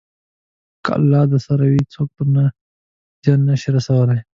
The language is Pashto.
که الله درسره وي، څوک درته زیان نه شي رسولی.